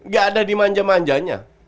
gak ada dimanja manjanya